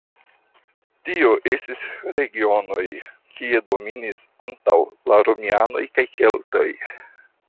Tio estis regionoj kie dominis antaŭ la romianoj la keltoj.